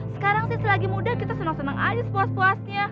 sekarang sih selagi mudah kita senang senang aja sepuas puasnya